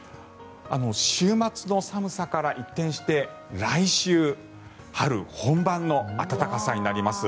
週末の寒さから一転して、来週春本番の暖かさになります。